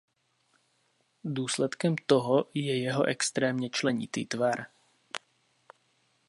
Důsledkem toho je jeho extrémně členitý tvar.